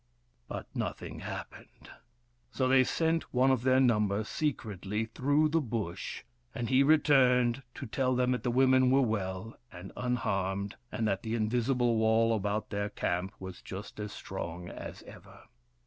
But nothing happened. So they sent one of their number secretly through the Bush, and he returned to tell them that the women were well and unharmed, and that the invisible wall about their camp was just as strong as ever.